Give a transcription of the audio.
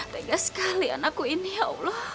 tegas sekali anakku ini ya allah